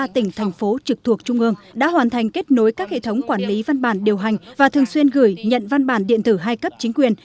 ba mươi ba tỉnh thành phố trực thuộc trung ương đã hoàn thành kết nối các hệ thống quản lý văn bản điều hành và thường xuyên gửi nhận văn bản điện tử hai cấp chính quyền